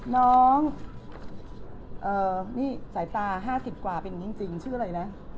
น้องนี่สายตา๕๐กว่าเป็นอย่างนี้จริงชื่ออะไรนะ